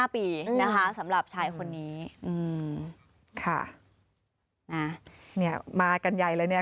๑๕ปีนะคะสำหรับชายคนนี้ข้านี่มากันใหญ่แล้วเนี่ย